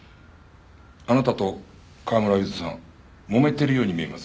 あなたと川村ゆずさんもめているように見えますが。